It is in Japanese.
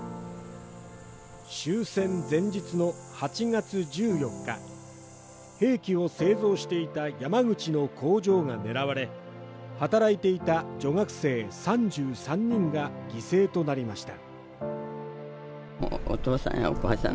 終戦前日の８月１４日、兵器を製造していた山口の工場が狙われ働いていた女学生３３人が犠牲となりました。